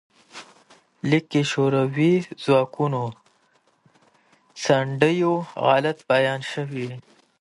لیک کې د شوروي ځواکونو د ځنډیدو علت بیان شوی.